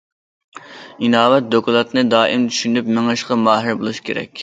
ئىناۋەت دوكلاتىنى دائىم چۈشىنىپ مېڭىشقا ماھىر بولۇش كېرەك.